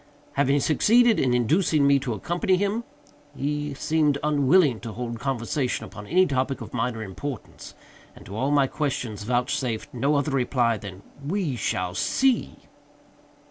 Having succeeded in inducing me to accompany him, he seemed unwilling to hold conversation upon any topic of minor importance, and to all my questions vouchsafed no other reply than "we shall see!"